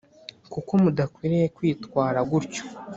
kuko mudakwiriye kwitwara gutyo